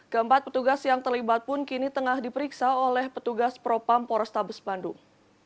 keempat petugas yang terlibat pun kini tengah diperiksa oleh petugas propam porestabes bandung